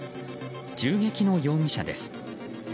銃撃の容疑者です。